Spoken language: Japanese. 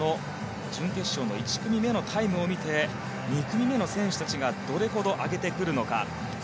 準決勝の１組目のタイムを見て２組目の選手たちがどれほど上げてくるのか。